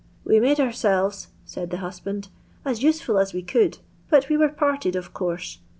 "] "We made ouraelves," said the husband, "as usefiil aa we could, but we were parted of concse.